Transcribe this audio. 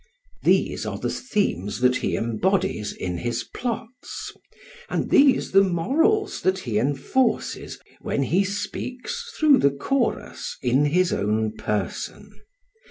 These are the themes that he embodies in his plots, and these the morals that he enforces when he speaks through the chorus in his own person.